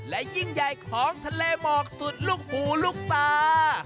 และยิ่งใหญ่ของทะเลหมอกสุดลูกหูลูกตา